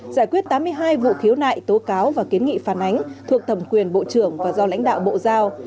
giải quyết tám mươi hai vụ khiếu nại tố cáo và kiến nghị phản ánh thuộc thẩm quyền bộ trưởng và do lãnh đạo bộ giao